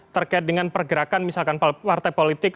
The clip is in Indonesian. terkait dengan pergerakan misalkan partai politik